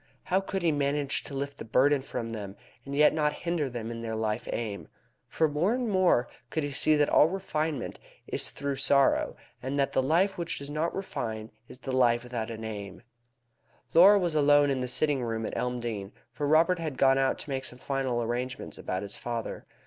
How could he manage to lift the burden from them, and yet not hinder them in their life aim? For more and more could he see that all refinement is through sorrow, and that the life which does not refine is the life without an aim. Laura was alone in the sitting room at Elmdene, for Robert had gone out to make some final arrangements about his father.